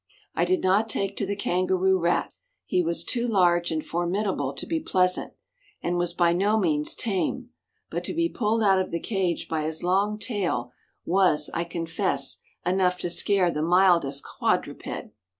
I did not take to the kangaroo rat, he was too large and formidable to be pleasant, and was by no means tame, but to be pulled out of the cage by his long tail was, I confess, enough to scare the mildest quadruped.